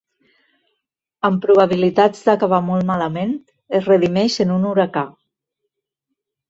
Amb probabilitats d'acabar molt malament, es redimeix en un huracà.